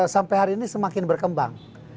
sampai hari ini semakin berkembang